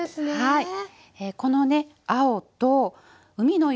はい。